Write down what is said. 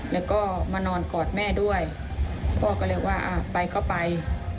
แล้วก็มานอนกอดแม่ด้วยพ่อก็เลยว่าไปก็ไป